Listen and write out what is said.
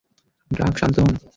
ড্রাক, শান্ত হোন।